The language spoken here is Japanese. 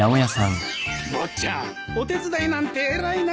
坊ちゃんお手伝いなんて偉いなあ。